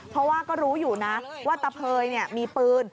เพราะว่าก็รู้อยู่นะว่าตะเภยมีปืน